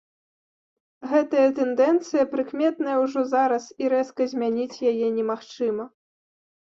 Гэтая тэндэнцыя прыкметная ўжо зараз і рэзка змяніць яе немагчыма.